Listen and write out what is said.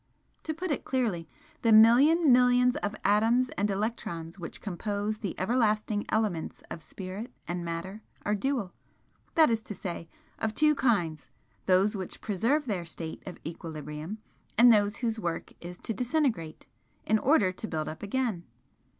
To put it clearly, the million millions of atoms and electrons which compose the everlasting elements of Spirit and Matter are dual that is to say, of two kinds those which preserve their state of equilibrium, and those whose work is to disintegrate, in order to build up again.